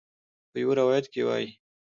په یو روایت کې وایي.